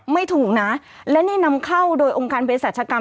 ไม่ถูกนะและนี่นำเข้าโดยองค์การเพศรัชกรรม